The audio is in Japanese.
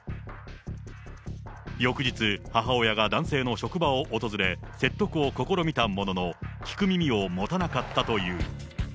翌日、母親が男性の職場を訪れ、説得を試みたものの、聞く耳を持たなかったという。